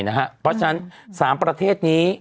เพราะฉะนั้น๓ประเทศนี้